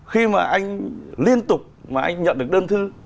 khi mà anh liên tục mà anh nhận được đơn thư